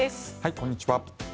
こんにちは。